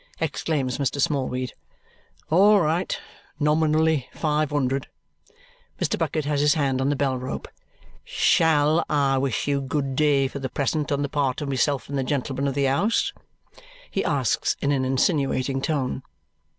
exclaims Mr. Smallweed. "All right! Nominally five hundred." Mr. Bucket has his hand on the bell rope. "SHALL I wish you good day for the present on the part of myself and the gentleman of the house?" he asks in an insinuating tone.